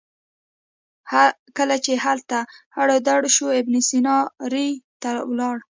کله چې هلته اړو دوړ شو ابن سینا ري ته ولاړ.